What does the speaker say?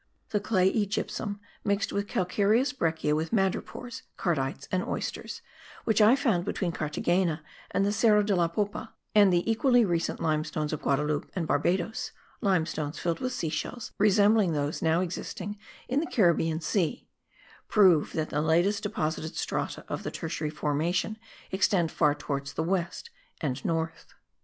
The clayey gypsum, mixed with calcareous breccia with madrepores, cardites and oysters, which I found between Carthagena and the Cerro de la Popa, and the equally recent limestones of Guadalope and Barbadoes (limestones filled with seashells resembling those now existing in the Caribbean Sea) prove that the latest deposited strata of the tertiary formation extend far towards the west and north.